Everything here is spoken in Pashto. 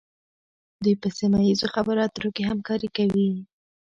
دوی په سیمه ایزو خبرو اترو کې همکاري کوي